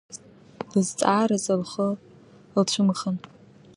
Лызҵаараз лхы лцәымӷын.